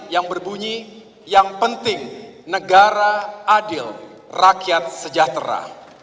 yang berbunyi yang penting negara adil rakyat sejahtera